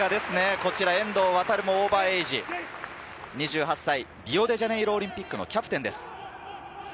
こちらもオーバーエイジ２８歳、リオデジャネイロオリンピックのキャプテンです。